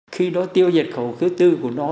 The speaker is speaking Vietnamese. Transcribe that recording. khi đó tiêu diệt khẩu thứ tư của nó